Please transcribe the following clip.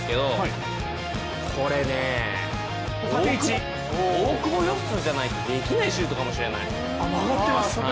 これね、大久保嘉人じゃないとできないシュートかもしれない。